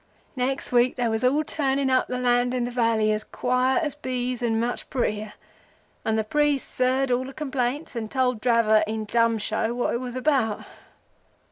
"Next week they was all turning up the land in the valley as quiet as bees and much prettier, and the priests heard all the complaints and told Dravot in dumb show what it was about.